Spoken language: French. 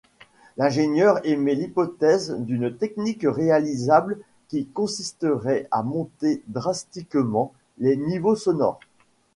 L'ingénieur émet l'hypothèse d'une technique réalisable qui consisterait à monter drastiquement les niveaux sonores.